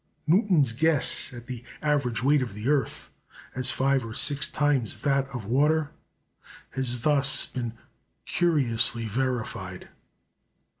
Newton's guess at the average weight of the earth as five or six times that of water has thus been curiously verified.